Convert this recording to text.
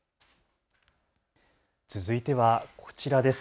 続いては、こちらです。